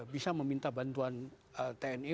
bisa meminta bantuan tni